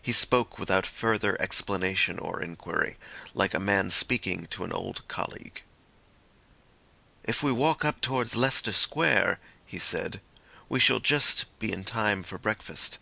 He spoke without further explanation or inquiry, like a man speaking to an old colleague. "If we walk up towards Leicester Square," he said, "we shall just be in time for breakfast.